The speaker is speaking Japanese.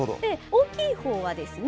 大きい方はですね